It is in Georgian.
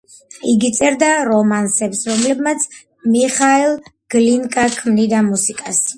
იგი წერდა რომანსებს, რომლებზეც მიხაილ გლინკა ქმნიდა მუსიკას.